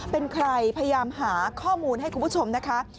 เป็นใครพยายามหาข้อมูลให้คุณผู้ชมนะคะ